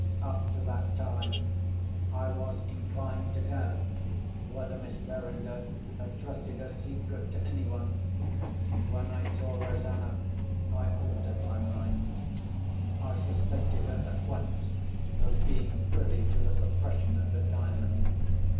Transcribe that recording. Up to that time I was inclined to doubt whether Miss Verinder had trusted her secret to anyone. When I saw Rosanna, I altered my mind. I suspected her at once of being privy to the suppression of the Diamond.